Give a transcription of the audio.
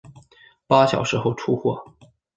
八小时后出货